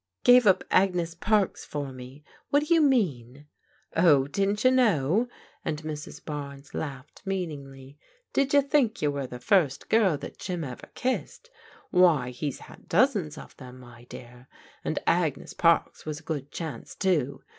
"Gave up Agnes Parks for me? What do you mean?" "Oh, didn't you know?" and Mrs. Barnes laughed meaningly. " Did you think you were the first girl that Jim ever kissed? Why, he's had dozens of them, my dear, and Agnes Parks was a good chance, too.